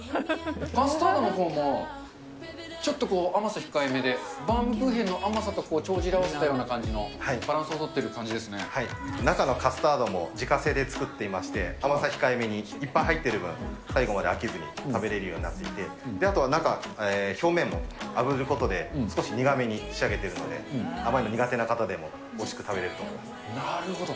カスタードのほうもちょっとこう甘さ控えめで、バウムクーヘンの甘さと帳尻を合わせたようなバランスを取ってい中のカスタードも自家製で作っていまして、甘さ控えめに、いっぱい入っている分、最後まで飽きずに食べれるようになっていて、あとは中、表面もあぶることで、少し苦めに仕上げているので、甘いの苦手な方でも、おいしく食なるほど。